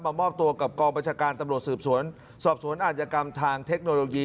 มอบตัวกับกองประชาการตำรวจสืบสวนสอบสวนอาจกรรมทางเทคโนโลยี